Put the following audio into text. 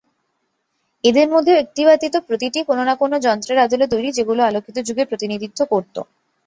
এদের মধ্যে একটি ব্যতীত প্রতিটিই কোন না কোন যন্ত্রের আদলে তৈরি যেগুলো আলোকিত যুগের প্রতিনিধিত্ব করত।